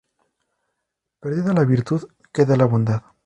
Perdida la virtud, queda la bondad.